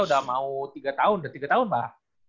udah mau tiga tahun udah tiga tahun mbak